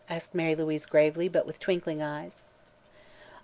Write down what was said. asked Mary Louise gravely, but with twinkling eyes.